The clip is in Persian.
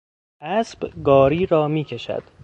اسب گاری را میکشد.